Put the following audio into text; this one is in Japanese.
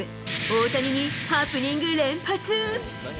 大谷にハプニング連発。